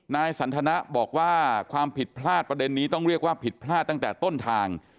นายสันทนะบอกว่าความผิดพลาดประเด็นนี้ต้องเรียกว่าผิดพลาดตั้งแต่ต้นทาง